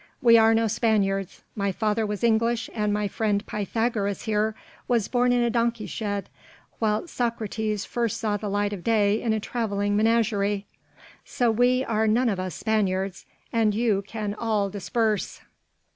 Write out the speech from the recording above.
We are no Spaniards. My father was English and my friend Pythagoras here was born in a donkey shed, whilst Socrates first saw the light of day in a travelling menagerie. So we are none of us Spaniards, and you can all disperse."